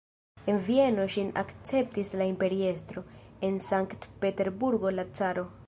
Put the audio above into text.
En Vieno ŝin akceptis la imperiestro, en Sankt-Peterburgo la caro.